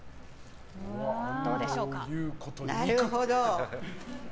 なるほど。